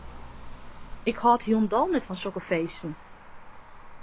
Ik hâld hielendal net fan sokke feesten.